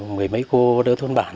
mười mấy cô đỡ thôn bản